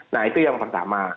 nah itu yang pertama